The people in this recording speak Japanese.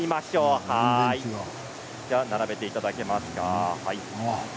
並べていただけますか。